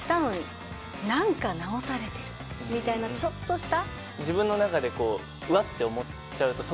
みたいなちょっとした。